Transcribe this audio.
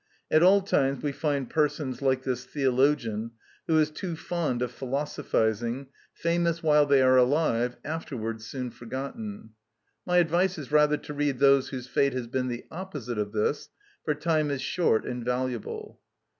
At all times we find persons, like this theologian, who is too fond of philosophising, famous while they are alive, afterwards soon forgotten. My advice is rather to read those whose fate has been the opposite of this, for time is short and valuable.